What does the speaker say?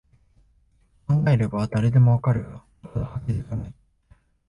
考えれば誰でもわかるが、なかなか気づかない